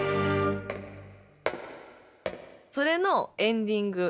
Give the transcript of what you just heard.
それのエンディング。